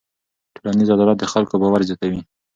ټولنیز عدالت د خلکو باور زیاتوي.